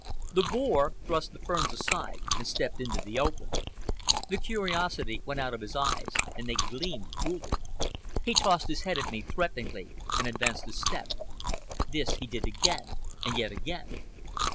The boar thrust the ferns aside and stepped into the open. The curiosity went out of his eyes, and they gleamed cruelly. He tossed his head at me threateningly and advanced a step. This he did again, and yet again.